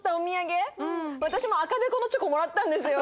私も赤べこのチョコもらったんですよ。